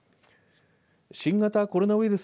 新型コロナウイルス